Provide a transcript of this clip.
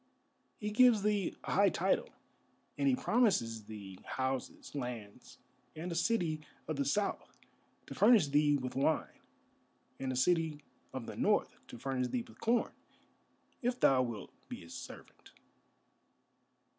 He gives thee a high title, and he promises thee houses, lands, and a city of the South to furnish thee with wine, and a city of the North to furnish thee with corn, if thou wilt be his servant."